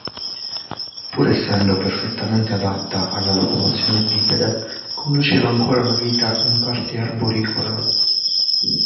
Pur essendo perfettamente adatta alla locomozione bipede, conduceva ancora una vita in parte arboricola.